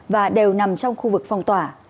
và đều nằm trong khu vực phong tỏa